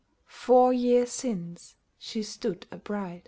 — Four years since she stood a bride.